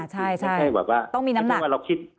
ใช่ต้องมีน้ำหนัก